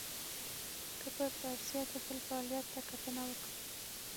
که پر فرضیه د بل فعالیت ته کتنه وکړو.